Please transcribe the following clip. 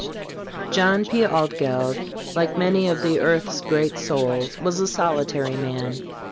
John P. Altgeld, like many of the earth's great souls, was a solitary man.